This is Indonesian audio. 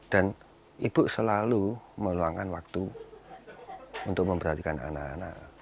dan ibu selalu meluangkan waktu untuk memperhatikan anak anak